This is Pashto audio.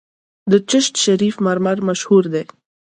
د چشت شریف مرمر مشهور دي